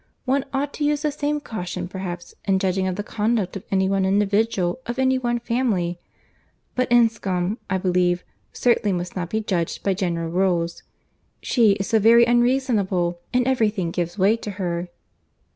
"One ought to use the same caution, perhaps, in judging of the conduct of any one individual of any one family; but Enscombe, I believe, certainly must not be judged by general rules: she is so very unreasonable; and every thing gives way to her."